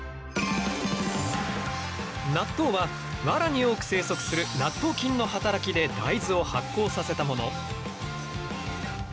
納豆はワラに多く生息する納豆菌の働きで大豆を発酵させたもの。